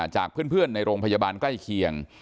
จากเพื่อนในโรงพยาบาลใกล้เคียง